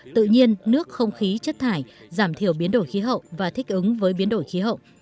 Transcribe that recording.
tự nhiên nước không khí chất thải giảm thiểu biến đổi khí hậu và thích ứng với biến đổi khí hậu